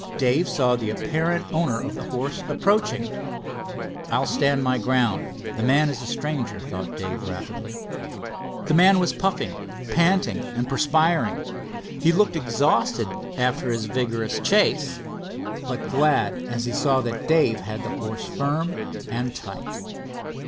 Dave saw the apparent owner of the horse approaching. "I'll stand my ground—the man is a stranger," thought Dave rapidly. The man was puffing, panting and perspiring. He looked exhausted after his vigorous chase, but glad as he saw that Dave had the horse firm and tight.